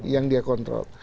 yang dia kontrol